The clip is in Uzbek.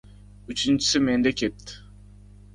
Uchinchisi menda ketdi.